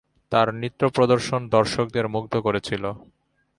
তাঁর নৃত্য প্রদর্শন দর্শকদের মুগ্ধ করেছিল।